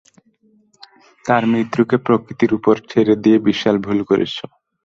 তার মৃত্যুকে প্রকৃতির উপর ছেড়ে দিয়ে বিশাল ভুল করেছো।